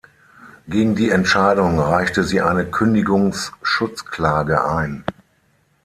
Gegen die Entscheidung reichte sie eine Kündigungsschutzklage ein.